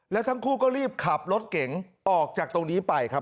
แล้วทั้งคู่ก็รีบขับรถเก๋งออกจากตรงนี้ไปครับ